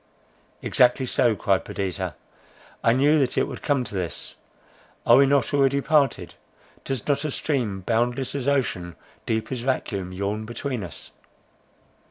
"Exactly so," cried Perdita, "I knew that it would come to this! Are we not already parted? Does not a stream, boundless as ocean, deep as vacuum, yawn between us?"